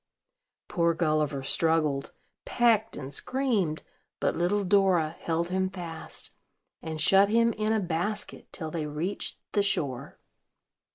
Poor Gulliver struggled, pecked and screamed; but little Dora held him fast, and shut him in a basket till they reached the shore.